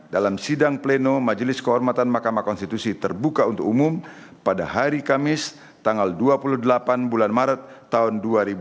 dalam sidang pleno majelis kehormatan mahkamah konstitusi terbuka untuk umum pada hari kamis tanggal dua puluh delapan bulan maret tahun dua ribu dua puluh